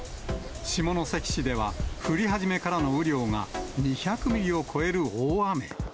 下関市では、降り始めからの雨量が２００ミリを超える大雨。